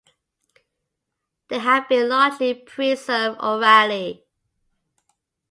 They have been largely preserved orally.